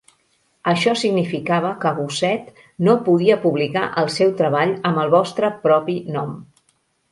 Això significava que Gosset no podia publicar el seu treball amb el vostre propi nom.